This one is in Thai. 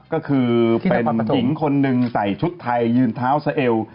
ก็คือเป็นหญิงคนหนึ่งใส่ชุดไทยยืนเท้าสะเอว